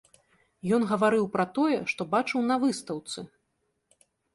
Ён гаварыў пра тое, што бачыў на выстаўцы.